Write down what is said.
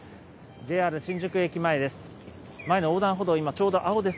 ＪＲ新宿駅前です。